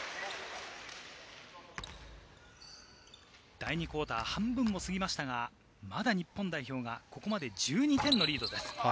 第２クオーター、半分が過ぎましたが、まだ日本代表がここまで１２点のリードです。